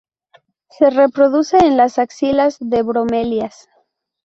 Se reproduce en las axilas de bromelias.